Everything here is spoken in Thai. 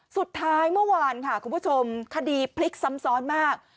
สุดท้ายเมื่อวานค่ะคุณผู้ชมคดีพลิกซ้ำซ้อนมาก